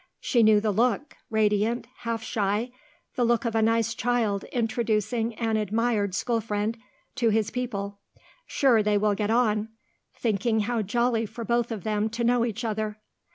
She knew the look, radiant, half shy, the look of a nice child introducing an admired school friend to his people, sure they will get on, thinking how jolly for both of them to know each other.